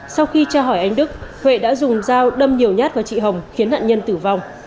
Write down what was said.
sau khi tra hỏi anh đức huệ đã dùng dao đâm nhiều nhát vào chị hồng khiến nạn nhân tử vong